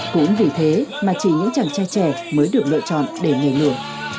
cũng vì thế mà chỉ những chàng trai trẻ mới được lựa chọn để nhảy lửa